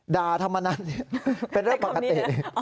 ด่าธรรมนันเป็นเรื่องปกติ